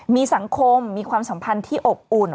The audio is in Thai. มีสังคมมีความสัมพันธ์ที่อบอุ่น